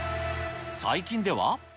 最近では。